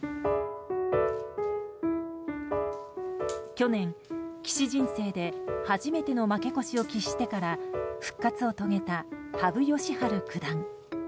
去年、棋士人生で初めての負け越しを喫してから復活を遂げた羽生善治九段。